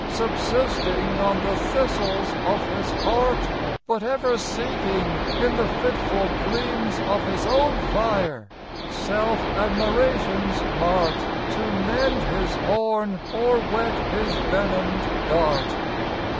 Subsisting on the thistles of his heart, But ever seeking, in the fitful gleams Of his own fire, self admiration's mart To mend his horn or whet his venomed dart.